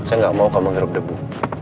saya gak mau kamu ngirup debu